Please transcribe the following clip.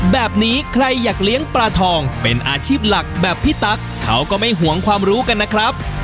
แบบนี้ใครอยากเลี้ยงปลาทองเป็นอาชีพหลักแบบพี่ตั๊กเขาก็ไม่ห่วงความรู้กันนะครับ